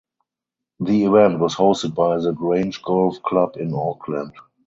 The event was hosted by The Grange Golf Club in Auckland.